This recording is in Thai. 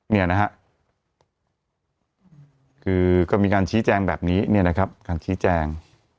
เนี่ยนะฮะคือก็มีการชี้แจงแบบนี้เนี่ยนะครับการชี้แจง